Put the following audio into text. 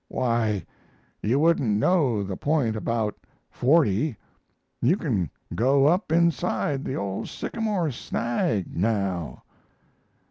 Why, you wouldn't know the point about 40. You can go up inside the old sycamore snag now."